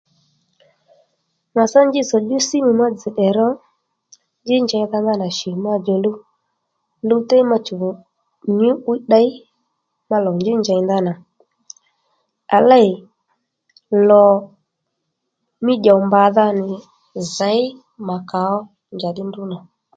Mà tsá njitsò djú simu madzì tde ro njí njèydha ndanà shì ma djòluw luwtey machùw nyǔ'wiy ddey ma lòw njí njèy ndanà à léy lò mí tdyòw mbàdha nì zěy mà kà ó njà ddí ndrǔ nà